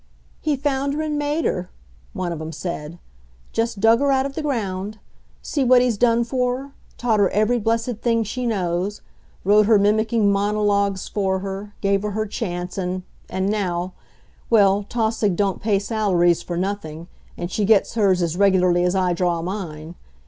"He found her and made her," one of 'em said; "just dug her out of the ground. See what he's done for her; taught her every blessed thing she knows; wrote her mimicking monologues for her; gave her her chance, and and now Well, Tausig don't pay salaries for nothing, and she gets hers as regularly as I draw mine.